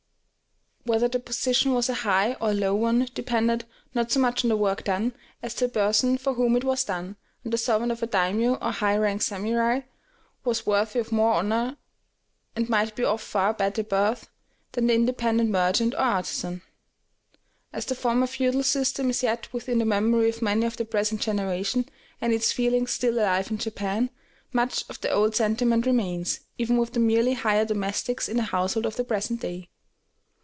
Whether the position was a high or a low one depended, not so much on the work done, as the person for whom it was done, and the servant of a daimiō or high rank samurai was worthy of more honor, and might be of far better birth, than the independent merchant or artisan. As the former feudal system is yet within the memory of many of the present generation, and its feelings still alive in Japan, much of the old sentiment remains, even with the merely hired domestics in a household of the present day.